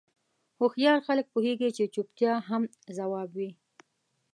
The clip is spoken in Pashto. هوښیار خلک پوهېږي چې چوپتیا هم ځواب وي.